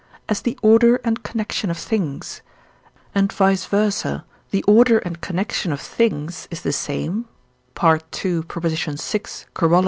as the order and connection of things, and vice versâ the order and connection of things is the same (II. vi. Coroll.